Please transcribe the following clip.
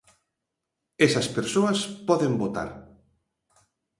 Esas persoas poden votar.